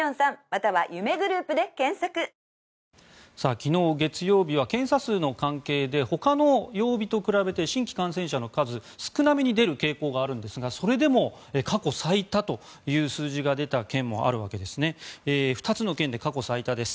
昨日月曜日は検査数の関係でほかの曜日と比べて新規感染者の数少なめに出る傾向があるんですがそれでも過去最多という数字が出た県もあるんです。